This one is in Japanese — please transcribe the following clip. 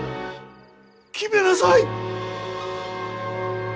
決めなさい。